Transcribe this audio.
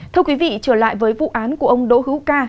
thưa quý vị trở lại với vụ án của ông đỗ hữu ca